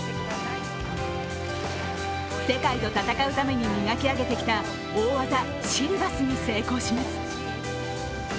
世界と戦うために磨き上げてきた大技・シリバスに成功します。